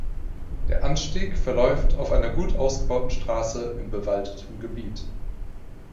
Der Anstieg verläuft auf einer gut ausgebauten Straße in bewaldetem Gebiet.